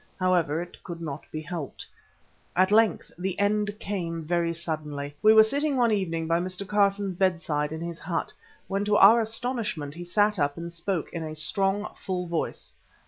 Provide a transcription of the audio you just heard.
However, it could not be helped. At length the end came very suddenly. We were sitting one evening by Mr. Carson's bedside in his hut, when to our astonishment he sat up and spoke in a strong, full voice.